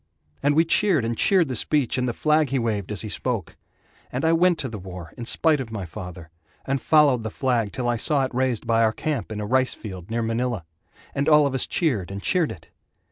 And we cheered and cheered the speech and the flag he waved As he spoke. And I went to the war in spite of my father, And followed the flag till I saw it raised By our camp in a rice field near Manila, And all of us cheered and cheered it.